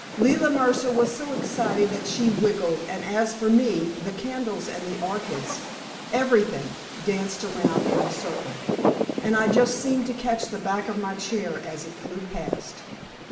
Leila Mercer was so excited that she wriggled, and as for me, the candles and the orchids everything danced around in a circle, and I just seemed to catch the back of my chair as it flew past.